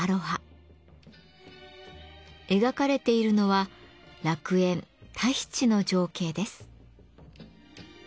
描かれているのは楽園・タヒチの情景です。